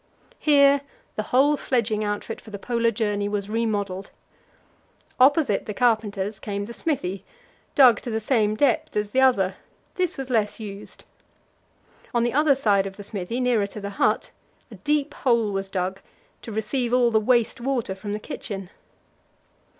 Here the whole sledging outfit for the Polar journey was remodelled. Opposite the carpenters came the smithy, dug to the same depth as the other; this was less used. On the other side of the smithy, nearer to the hut, a deep hole was dug to receive all the waste water from the kitchen.